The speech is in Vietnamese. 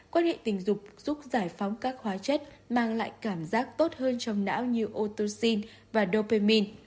quan hệ tình dục giúp giải phóng các khóa chất mang lại cảm giác tốt hơn trong não như ôtocin và dopamine